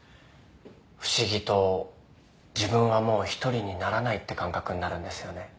不思議と自分はもう１人にならないって感覚になるんですよね。